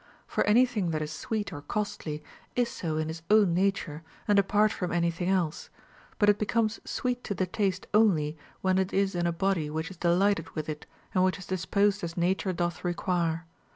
For any thing tliat is sweet or costly is so in its own nature and apart from any thing else ; but it becomes sweet to the taste only wlien it is in a body which is delighted with it and which is dis posed as nature doth require.